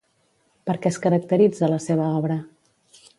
Per què es caracteritza la seva obra?